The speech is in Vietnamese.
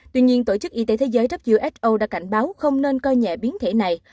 tuy nhiên tổ chức y tế thế giới who đã cảnh báo không nên coi nhẹ biến thể này